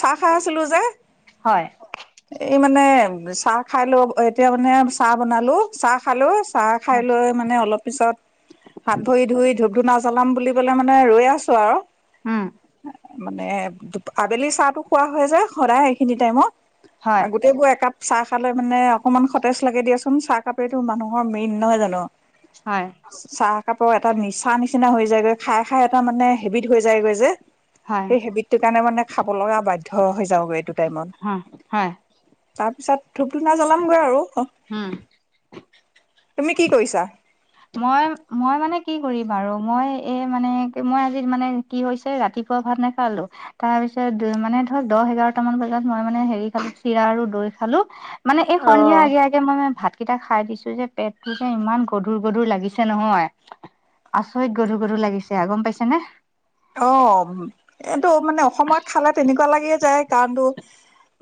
চাহ খাই আছিলো যে হয় এই মানে চাহ খাই লৈ তেতিয়া মানে চাহ বনালো চাহ খালো চাহ খাই হয় লৈ মানে অলপ পিছত হাত ভৰি ধুই ধূপ ধূনা বুলি মানে ৰ আছো আৰু উম মানে আবেলি চাহো খোৱা হয় যায় সদায় সেইখিনি টাইমত হয় গোটেইবোৰ একাপ চাহ খালৈ মানে অকনমান সতেজ লাগে দিয়াচোন চাহ কাপৰেটো মানুহৰ মেইন নহয় জানো হয় চ কাপোৰ এটা নিচা নিচিনা হৈ যায়গৈ খাই খাই এটা মানে হেবিট হৈ যায়গৈ যে হয় সেই হেবিট কাৰণে মানে খাব লগা বাধ্য় হৈছে হ হয় তাৰপিছত ধূপ ধূনা জ্বলামগৈ আৰু উম তুমি কি কৰিছা মই মই মানে কি কৰিম আৰু মই এই মানে মই আজি মানে কি হৈছে ৰাতিপুৱা ভাত নেখালো তাৰ পিছত মানে ধৰক দহ এঘাৰট মান বজাত মই মানে হেৰি খালো চিৰা আৰু দৈ খালো মানে এই সন্ধিয়া অ'। আগে আগে মই মে ভাতকেইটা খাই দিছো যে পেটটো যে ইমান গধুৰ গধুৰ লাগিছে নহয় আচৰিত গধুৰ গধুৰ লাগিছে গম পাইছে নে অ এইটো মানে অসমত খালে তেনেকুৱা লাগিয়ে যায় কাৰণো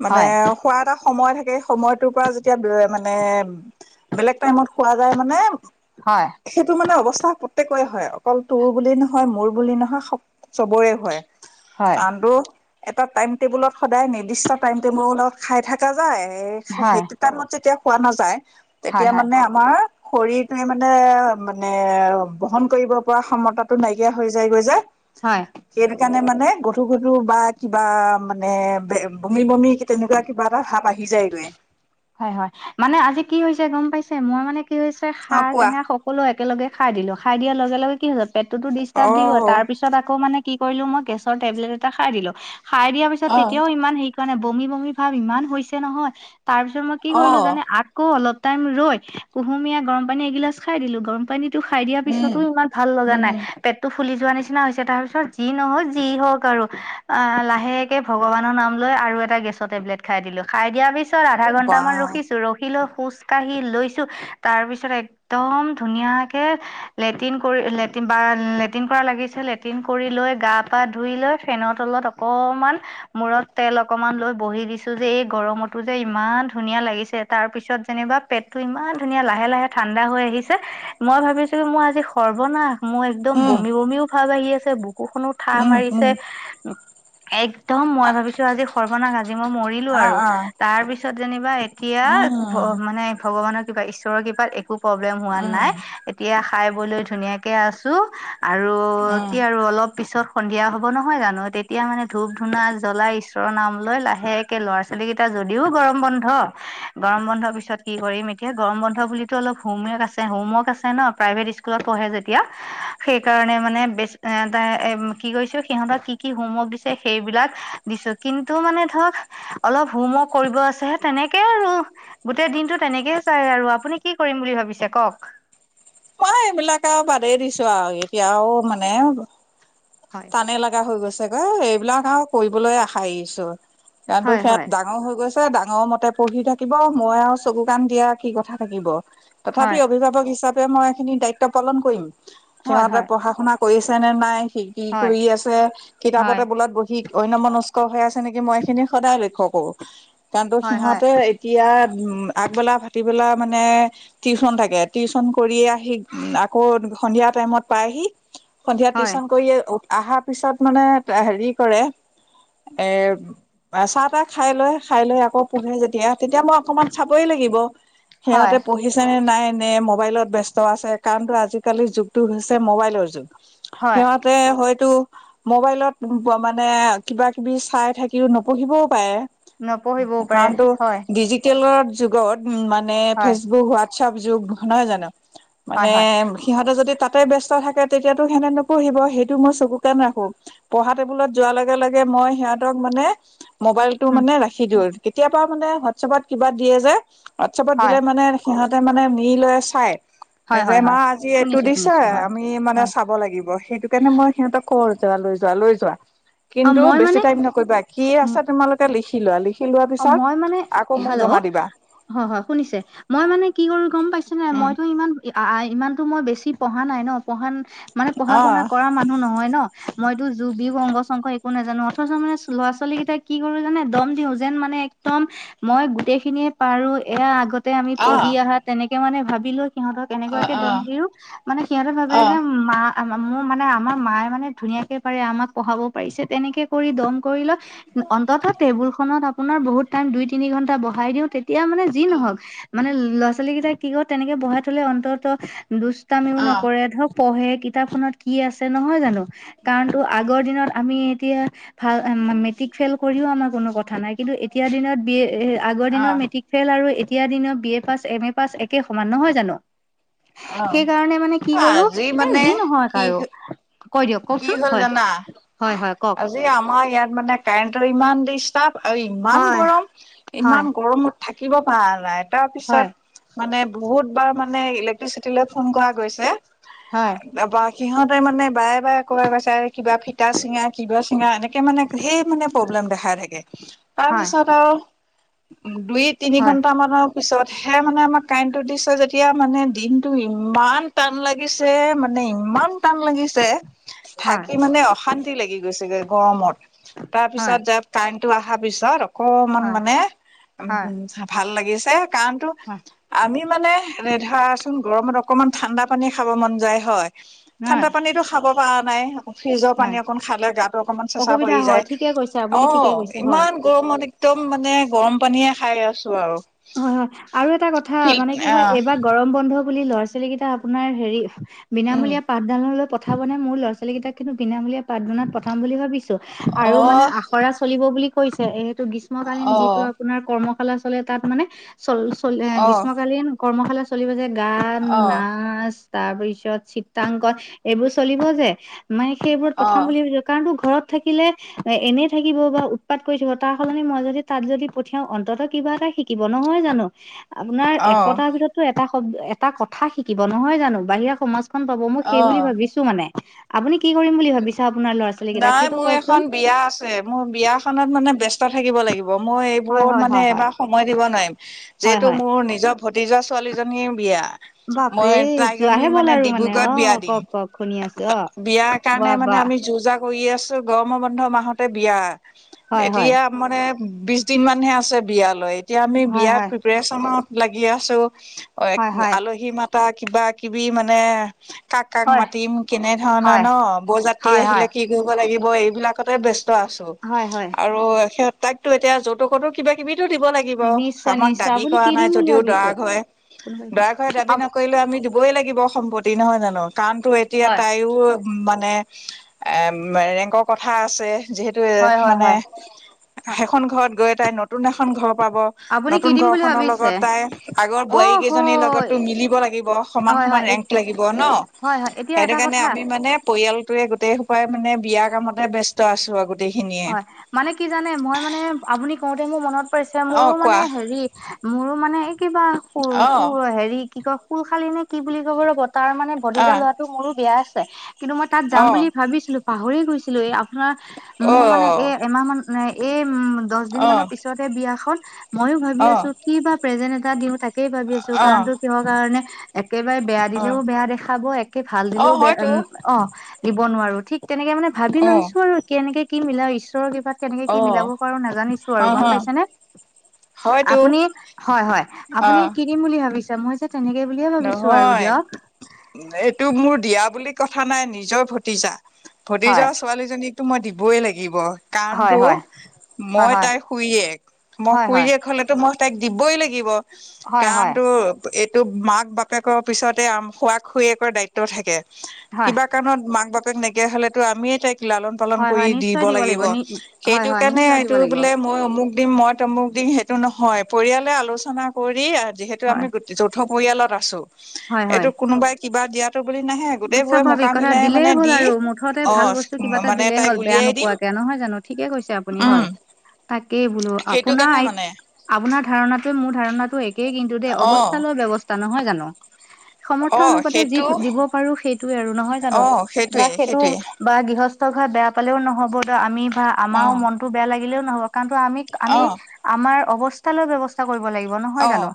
মানে হয় খোৱাাদ এটা সময় থাকে সময়টোৰ পৰা যেতিয়া মানে বেলেগ টাইমত খোৱা যায় মানে হয় সেইটো মানে অৱস্থা প্ৰত্েকে হয় অকল তোৰ বুলি নহয় মোৰ বুলি নহয় চবৰে হয় হয় কাৰণটোো এটা টাইম টেবুলত সদায় নিৰ্দিষ্ট টাইম টেবুল লগত খাই থকা যায় হয় সেইটো টাইমত যেতিয়া খোৱা নাযায় হয় তেতিয়া হয় মানে আমাৰ শৰীৰটোৱে মানে মানে বহন কৰিব পৰা ক্ষতাটো নাইকিয়া হৈ যায়গৈ যে। হয় সেইটো কাৰণে মানে গধু গধু বা কিবা মানে বমি বমি তেনেুৱা কিবা এটা ভাৱ আহছে হয় হয় মানে আজি কি হৈছে গম পাইছে মই মানে। কি হৈছে অ', সাৰ টেঙা সকলো একেলগে খাই দিলো খাই দিয়াৰ লগে লগে কি হৈ পেটটোতো ডিষ্টাৰ্ব দিওঁ তাৰ পিছত আকৌ মানে কি কৰিলো মই গেছৰ টেবলেট এটা খাই দিলো খাই দিয়াৰ পিছত অ', তেতিয়াও ইমান হেৰি কৰা নাই বমি বমি ভাৱ ইমান হৈছে নহয়। তাৰপিছত মই কি কৰিলো অ', জানে আকৌ অলপ। টাইম ৰৈ কুহুমীয়া গৰম পানী এগিলাছ খাই দিলো গৰম পানী টো খাই দিয়া উম, পিছতো ইমান ভাল লগা উম, নাই উম, পেটটো ফুলি যোৱা নিচিনা হৈছে তাৰ পিছত যি নহওক যি হওক আৰু আহ লাহেকে ভগৱানৰ নাম লৈ। আৰু এটা গেছৰ টেবলেট খাই দিলোঁ খাই দিয়াৰ পিছত আধা বা ঘণ্টামান ৰখিছোঁ ৰখিলোঁ খোজ কাঢ়ি লৈছো তাৰ পিছত একদম ধুনীয়াকে লেট্ৰিন কৰি লেটিন বা লেট্ৰিন কৰা লাগিছে লেট্ৰিন কৰি লৈ গা পা ধুই লৈ ফেনৰ তলত অকণমান মূৰত তেল অকমান লৈ বহি দিছো যে এই গৰমতো যে ইমান ধুনীয়া লাগিছে তাৰ পিছত যেনিবা পেটতো ইমান ধুনীয়া লাহে লাহে ঠাণ্ডা হৈ আহ। আহিছে মই ভাবিছো মই আজি সৰ্বনাশ ম একদম উম, বমি বমিও ভাৱ আহি আছে বুকুখনো ঠাহ উম, উম, মাৰিছে এক একম মই অ', ভাবিছো আজি সৰ্বনাাক আজি মই মৰিলো আৰু অ', তাৰ পিছত যেনিবা এতিয়া উম, মানে ভগৱানৰ কিবা ঈশ্বৰৰ কৃিবাত একো খ উম, আৰু উম, কি আৰু অলপ পিছত। সন্ধিয়া হ'ব নহয় জানো তেতিয়া মানে ধূপ ধূনা জ্বলাই ঈশ্বৰৰ নাম লাহেকে ল'ৰা ছ পল কেইটা যদিও গৰম বন্ধ গৰম বন্ধৰ পিছত কি কৰিম এতিয়া গৰম বন্ধ বুলিুলিতটো অলপ হুম ্ততি কি কৰিছো সিহঁতক কি কি হোমৱৰ্ক দিছে সেইবিলাক দিছো কিন্তু মানে ধৰক অলপ হোম ৱৰ্ক কৰিব আছে তেনেকে আৰু গোটেই দিনতটো তেনেকেে চাই আৰু আপুনি কি কৰিম বুলি ভাবে ভাবিছে কওক ন এইবিলাক আৰু বাদেই দিছো আৰু এতিয়াও মানে হয় টানে লগা হৈ গৈছে চাগৈ এইবিলাক আৰু কৰিবলৈ আশা আহিছো কাৰনো হয় হয় সিহাত ডাঙৰ হৈ গৈছে ডাঙৰ মতে পঢ়ি থাকিব মই আৰু চকু কাণ দিয়া কি কথা থাকিব। তথাপি হয় অভিভাৱক হিচাপে মই এইখিনি দায়িত্ব পালন কৰিম হয় সিহঁতে হয় পঢ়া শুনা কৰিছে নে নাই শ কিি হয় কৰি আছে হয় কিতাপতে বোলত বহি অন মনস্ক হৈ আছে নেকি মই এই খিনি সদায় লক্ষ্য় কৰো কাৰণ হয় সিহতে এতিয়া। উম আগবেলা ভাটিবেলা মানে টিউশচন থাকে টিউচন কৰি উ আকৌ সন্ধিয়া টাইমত পাইহি সন্ধিয়া হয় টিউশচন কৰিয় অহাৰ পিছত মানে হেৰি কৰে এৰ চাহ তাহ খাই লৈ খাই লৈ আকৌ পোহে যেতিয়া তেতিয়া মই অকমান চাবই লাগিব হয় হয় সিহঁতে পঢ়িছে নে নাই নে মবাইলত ব ব্যস্ত আছে কাৰণো আজিকালিৰ যুগটো হৈছে মোবাইলৰ যুগ হয় সিহঁতে হয়তো মবাইলত মানে কিবা কিবি চাই থাকিও নপঢ়িবও পাৰে নপঢ়িবও পাৰে কাৰণ হয় তটো ডিজিটেলৰ যুগত উ মানে হয় ফেচবুক হোৱাটছএপ যুগ নহয় জানো হয় মানে হয় সিহঁতে যদি ঈক্ষক্ষ হ'ব। থ তেতিঢিব সেইটো মই মই সিহঁতক মানে মোবাইলতটো উম মানে ৰাখি দিওঁ কেতিয়াবা মানে হোৱাটছএপত কিবা দিয়ে যে হোৱাটছএপত হয় দিলে মানে সিহঁতে মানে মিল লৈ চাই হয় যে হয় মা হয় আজি এইটো শুনিছো দিছা শুনিছো হয় আমি মানে হয় চাব লাগিব সেইটো কাৰণে মই সিহঁতক কৰওঁ। যোৱা লৈ যোৱা লৈ যোৱা অ কিন্তু মই বেছি মানে টাইম নকৰিবা কি আছছে তোমালোকে লিখি লোৱা লিখি লোৱাৰ অ পিছত মই মানে আকৌ মোক হেল্ল' অ জমা দিবা হয় শুনিছে মই মানে কি কৰো গম পাইছ নাই উম মইতো ইমান ইমানতটো মই বেছি পঢ়া নাই ন পঢ়া মানে পঢ়া অ শুনা কৰা মানুহ নহয় ন মই এইটো জুবি অংগ শং একো নোজানো অথচ মানে ল'ৰা ছোৱালী কেইাই কি কৰো জান দম দি যেন মানে একদম মই গোটেই খিনিয়ে পাৰো এয়া আগতে আমি অ পঢ়ি অা তেনেকে ে মানে ভাবিলো সিহঁতক অ এনেকুৱাকে দম দিও মানে সিহঁতে ভাবে অ অ যে মা আ মোৰ মানে আমাৰ মায়ে মানে ধুনীয়াকে পাৰে আমাক পঢ়াব পাৰিছে তেনেকে কৰি দম কৰি লও অন্ততঃ টেবুল খনত আপোনাৰ বহুত টাইম দুই তিনি ঘন্টা বঢ়াই দিওঁ তেতিয়া মানে যি নহওক মানে ল'ৰা ছোৱালী কেইটাই কি ক তেনেকে বঢ়াই থলে অন্তত দুষ্ট্তামিও অ', নকৰে ধৰক পঢ়ে কিতাপখনত কি আছে নহয় জানো কাৰণ তো আগৰ দিনত আমি এতিয়া ভাল মেট্ৰিক ফেইল কৰিও আমাৰ কোনো কথা নাই কিন্তু এতিয়াৰ দিনত বি এ আগৰ দিনৰ অ', মেট্ৰিক ফেইল আৰু এতিয়া দিনৰ B A pass M A pass একে সমান নহয় জানো অ', সেইকাৰণে মানে কি কৰো আজি মানে এ যি নহয় কি কাৰো কৈ দিয়ক কি কওকচোন হ'ল হয় জানা? হয় হয়। কওক আজি আমাৰ ইয়াত মানে কাৰেণ্টৰ ইমান দি ষ্ট আৰু ইমান হয় গৰম হয় ইমান গৰমত থাকিব পৰা নাই তাৰ হয় পিছত মানে বহুত বাৰ মানে ইলেক্ট্ৰিচিটি লৈ ফোন কৰা গৈছে হয় তাৰ পৰা সিহত মানে বাৰে বাৰে ক কৈছে কিবা ফিটা চিঙা কিবা চিঙা এনে তে মানে সেই মানে প্ৰব্লেম দেখাই থাকে হয় তাৰপিছত আৰু দুই তিনি হয় ঘন্টা মানৰ পিছতহে মানে আমাক কাৰেণ্টটো দিছে যেতিয়া মানে দিনটো ইমান টান লাগিছে মানে মানে ইমান টান লাগিছে হয় থাকি মানে অশান্তি লাগি গৈছেগে গৰমত তাৰ হয় পিছত যে কাৰেণ্টটো অহাৰ পিছত অকমান হয় মানে উ হয় ভাল লাগিছে কাৰণ তো হয় আমি মানে এ ধৰাচোন গৰমত অকণমান ঠাণ্ডা পানী খাব মন যায় হয়। ঠাণ্ডা হয় পানীো খাব পৰা নাই ফ্ৰিজৰ পানী হয় অকণ গাতটো অকমান চেচা অসুবিধা পৰি হয় যায় ঠিকে কৈছে আপুনি অ ঠিকে কৈছে হয় ইমান গৰমত একদম মানে গৰম পানীয়ে খাই আছো আৰু হয় হয় আৰু এটা কথা ফিল্ড মানে কি হয় আহ এইবাৰ গৰম বন্ধ বুলি ল'ৰা ছোৱালী কেইটা আপোনাৰ হেৰি উম বিনামূলীয়া পাঠদানলৈ পঠাব ন? মোৰ লৰা ছোৱালী কেইটাক কিন্তু বিনামূলীয়া পাঠদানাত পঠাম বুলি ভাবি আৰু মানে অ', আখৰা চলিব বুলি কৈছে এইটো গ্ৰীষ্মকালীন যিটো অ', আপোনাৰ কৰ্ম শালাচলে তাত মানে চল চল অ', গ্ৰীষ্মকালীন কৰ্মশালা চলিব যে গান, অ', নাচ তাৰপিছত চিত্ৰাংকন এইবোৰ চলিব যে মানে সেইবোৰত পথম অ', বুলি ভাবছো কাৰণ তো ঘৰত থাকিলে এনেই থাকিব বা উৎপাত কৰি থাক তাৰ সলনি মই যদি তাত যদি পঠিয়াও অন্তত কিবা এটা থাকিব নহয় জানো আপোনাৰ অ', এশটাৰ ভিতৰতো এটা এটা কথা শিকিব নহয় জানো বাহিৰা সমাজখন পাব মই সেই বুলি অ'। ভাবিছো মানে আপুনি কি কৰিম বুলি ভাবিছে আপোনাৰ ল'ৰা ছোৱালী কেইটাক নাই সেইটো মোৰ এখন কওকচোন বিয়া আছে মোৰ বিয়াখনত মানে ব্যস্ত তাৰ থাকিব লাগিব। মই হয় এইবোৰত হয় মানে এইবাৰ সময় দিব নোৱাৰিব। য হয় এইটো হয় মোৰ নিজৰ ভতিজা ছোৱালীজনীৰ বিয়া বাপৰে মই তাইক আমি যোৱাহে ব'ল মানে আৰু ডিব্ৰুগড়ত অ বিয়া দিম কওক কওক শুনি আছো অ বিয়া স কাৰণে বাহ মানে বাহ আমি যোজা কৰি আছো গৰম বন্ধ মাহতে বিয়া হয় হয় এতিয়া মানে বিশ দিন মানহে আছে বিয়ালৈ এতিয়া আমি হয় বিয়াত হয় প্ৰিপেচনত লাগি আছো। হয় আলহী মাত কিবা কিবি মানে কাক কাক হয় হয় মাতিম কেনে ধৰণৰ হয় ন ৱ যাত্ৰী হয় আহিলে হয় কি কৰিব লাগিব এইবিলাকতে ব্যস্ত আছো হয় হয় আৰু সত তাকতো এতিয়া যৌতুক কতো কিবা কিবি টো দিব লাগিব নিশ্চয় আমাক নিশ্চয় দাবী আপুনি কৰা কি নাই দিম বুলি যদিও দৰা ভাবিছে ঘৰে হয় কোনোবা দৰা ঘৰেদাবী এখন নকৰিলে আমি দিব লাগিব সম্পত্তি নহয় জানো কাৰণ তো এতিয়া হয়। তাইও মানে ৰেংকৰ কথা আছে। যিহেতু হয় হয় মানে হয় হয় সেইখন ঘৰত গৈ তাই নতুন এখন ঘৰ পাব আপুনি কি নতুন দিম ঘৰ বুলি খনৰ ভাবিছে লগত তাই আগৰ বোৱাৰী অ' কেইজনীৰ লগতো হয় মিলিব লা লাগিব। সমান হয় সমান হয় ৰেংক লাগিব হয় হয় এতিয়া ন'সেইটো এটা কাৰণে কথা আমি মানে পৰিয়ালটোৱে গোটেই সোপাই মানে বিয়া কামতে ব্যস্ত আছো আৰু গোটেইখিনিয়ে হয় মানে কি জানে মই মানে আপুনি কওঁতে মোৰ মনত পৰিছে অ মোৰো মানে কোৱা হেৰি মোৰো মানে এই কিবা অ হেৰি কি কয় সুল খালি নে কি বুলি কব ৰ'ব তাৰ মানে ভতিজা আহ লৰাটো মোৰো বিয়া আছে কিন্তু মই তাত যাম অ বুলি ভাবিছিলো পাহৰি গৈছিলো। এই আপোনাৰ অ মোৰ মানে এ' এমাহ মান এই উম দচ দিন অ মানৰ পিছতে বিয়া খন ময়ো ভাবি অ আছো কিবা প্ৰেজেন্ট এটা দিও তাক কেই ভাবি আছো অ কাৰণটো কিহৰ কাৰণে একেবাৰে বেয়া অ দিলেও বেয়া দেখাব একে ভাল অ দিলেও বেয়া উ হয়তো অহ দিব নোৱাৰো। ঠিক তেনেকে মানে ভাবি অ লৈছো আৰু কেনেকে কি মিলাও ঈশ্বৰৰ কৃপাত। কেনেকে কি অ মিলাব অ পাৰো নাজানিছো আৰু হ গম পাইছে নে? হয়তো আপুনি হয় -হয় অ আপুনি কিদিম বুলি ভাবিছে? মই যে তেনেকে বুলিয়ে ভাবিছো আৰু নহয় দিয়ক এইটো মোৰ দিয়া বুলি কথা নাই নিজৰ ভতিজা -ভতিজা হয় ছোৱালীজনীকতো মই দিবই লাগিব। হয় কাৰণতো হয় হয় মই তাই খুৰীয়েক মই হয় হয় হয় খুৰীয়েক হলেতো মই তাইক দিবই লাগিব হয় কাৰণ হয় তো এইটো মাক বাপেকৰ পিছতে খুড়া -খুৰীয়েকৰ দায়িত্ব থাকে হয় কিবা কাৰণত মাক- বাপেক এনেকে হলেতো আমিয়ে তাইক লালন পালন হয় কৰি হয় দিব নিশ্চয় লাগিব নি হয় সেইটো হয় কাৰণে নিশ্চয় দিব এইটো লাগিব বোলে মই অমুক দিম মই তমুক দিম সেইটো নহয় পৰিয়ালে আলোচনা কৰি যিহেতু আমি হয় যৌথ পৰিয়ালত আছো হয় এইটো হয় কোনোবাই কিবা দিয়াতো বুলি নাহে গোটেইবোৰে স্বাভাৱিক মোকা কথা মিলাই দিলেই মানে হ'ল দি আৰু মুঠতে অ ভাল বস্তু কিবা এটা মানে দিলেই তাইক হ'ল বেয়া উলিয়াই দিম নোপোৱাকে। নহয় জানো ঠিকে কৈছে আপুনি উম হয়। তাকেই বোলো সেইটো কাৰণে আপোনাই মানে আপোনাৰ ধাৰণাতো মোৰ ধাৰণাটো এক একেই কিন্তু দেই অ অৱস্থা লৈ ব্যৱস্থা নহয় জানো সমৰ্থ অ অনুপাতে যি সেইটো দিব সেইটোয়ে আৰু নহয় জানো অ বা সেইটোৱে সেইটো সেইটোৱে বা গৃহস্থ ঘৰত বেয়া পালেও নহ'ব ত' আমি বা অ আমাৰও মনতটো বেয়া লাগিলেও নহব কাৰণটো আমি -আমি অ আমাৰ অৱস্থা লৈ ব্যৱস্থা কৰিব লাগিব নহয় অহ, জানো?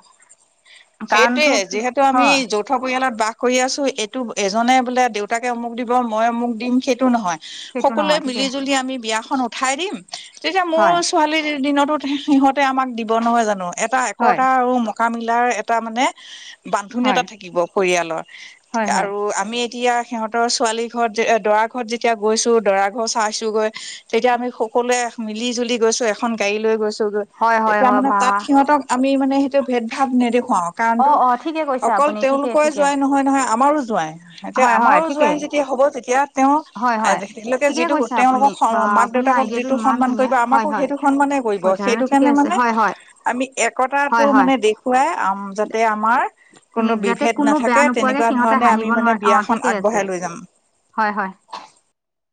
সেইটোৱে কাৰণটো কি যিহেতু আমি হয় যৌথ পৰিয়ালত বাস কৰি আছো এইটো এজনে বোলে দেউতাকে অমুক দিব মই অমুক দিম সেইটো নহয়। সেইটো সকলোৱে নহয় ঠিকে মিলি -জুলি আমি বিয়াখন উঠাই দিম তেতিয়া মোৰ হয় ছোৱালী দিনতোত সিহঁতে আমাক দিব নহয় জানো এটা হয় একতা আৰু থকা মিলাৰ এটা মানে বান্ধনী এটা হয় থাকিব পৰিয়ালৰ হয় হয় আৰু আমি তেতিয়া সিহঁতৰ ছোৱালী ঘৰত যে দৰা ঘৰত যেতিয়া গৈছো দৰা ঘৰ চাইছোগৈ তেতিয়া আমি সকলোৱে মিলি -জুলি গৈছো এখন গাড়ী লৈ গৈছো গৈ হয় হয় তেতিয়া হয় মানে বা তাত সিহঁতক আমি মানে সেইটো ভেদ -ভাৱ নেদে খাও অ কাৰণটো অ ঠিকে কৈছে অকল আপুনি ঠিকে তেওঁলোকে ঠিকে যোৱাই নহয়- নহয় আমাৰো যোৱাই এতিয়া হয় হয় আমাৰো যোৱাই ঠিকে যে হয় হয় ঠিকে কৈছে আপুনি বা [unintelligible] মাক আপুনি দেউতাকক আইডিয়াটো যিটো ইমান সন্মান ধুনীয়া কৰিব হয় আমাকো হয় সেইটো সম্মানে কৰিব হয় ধাৰণা সেইটো ঠিকে কাৰণে আছে মানে হয় হয় আমি এক একতাটো হয় হয় মানে দেখুৱাই আম যাতে আমাৰ কোনো যাতে বিভেদ কোনো নাথাকে বেয়া নোপোৱাকে তেনেকুৱা সিহঁতে ধৰণে আমি হাঁহিব মানে নোৱাৰে অ বিয়াখন ঠিকে আছে আগবঢ়াই লৈ যাম। হয় -হয়